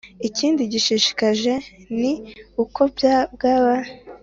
Ikindi gishishikaje ni uko bwari